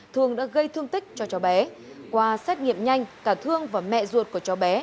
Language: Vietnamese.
thương đã gây thương tích cho cho bé qua xét nghiệm nhanh cả thương và mẹ ruột của cho bé